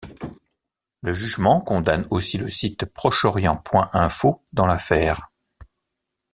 Le jugement condamne aussi le site proche-orient.info dans l'affaire.